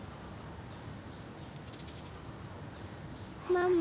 ママ？